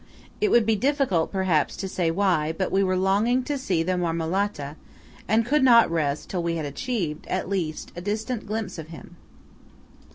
It would be difficult, perhaps, to say why, but we were longing to see the Marmolata, and could not rest till we had achieved, at least, a distant glimpse of him.